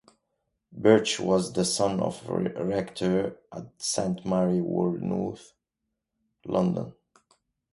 Birch was the son of a rector at Saint Mary Woolnoth, London.